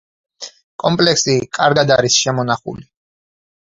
კომპლექსი კარგად არის შემონახული.